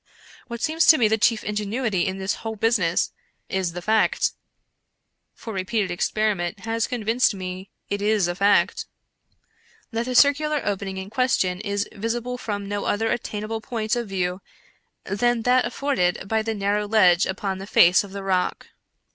What seems to me the chief ingenuity in this whole business, is the fact (for repeated experiment has convinced me it is a fact) that the circular opening in question is visible from no other attainable point of view than that afforded by the narrow ledge upon the face of the rock.